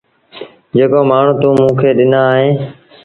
جيڪو مآڻهوٚٚ تو موٚنٚ کي ڏنآ اهينٚ